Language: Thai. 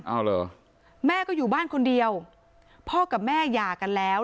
เอาเหรอแม่ก็อยู่บ้านคนเดียวพ่อกับแม่หย่ากันแล้ว